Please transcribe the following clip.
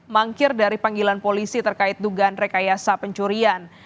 mangkir dari panggilan polisi terkait dugaan rekayasa pencurian